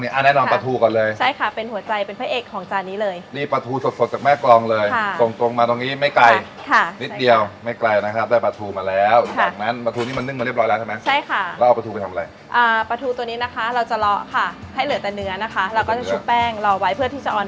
อ่าแนะนำปลาทูก่อนเลยใช่ค่ะเป็นหัวใจเป็นพระเอกของจานนี้เลยนี่ปลาทูสดสดจากแม่กรองเลยค่ะส่งตรงมาตรงนี้ไม่ไกลค่ะนิดเดียวไม่ไกลนะครับได้ปลาทูมาแล้วจากนั้นปลาทูนี่มันนึ่งมาเรียบร้อยแล้วใช่ไหมใช่ค่ะแล้วเอาปลาทูไปทำอะไรอ่าปลาทูตัวนี้นะคะเราจะล้อค่ะให้เหลือแต่เนื้อนะคะเราก็จะชุบแป้งรอไว้เพื่อที่จะออน